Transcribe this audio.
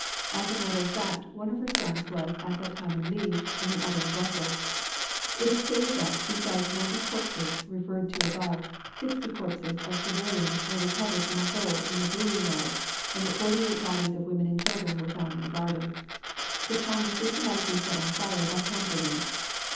As a matter of fact, one of her sons was at that time in Liege and the other in Brussels. It is stated that besides the ninety corpses referred to above, sixty corpses of civilians were recovered from a hole in the brewery yard and that forty eight bodies of women and children were found in a garden. The town was systematically set on fire by hand grenades.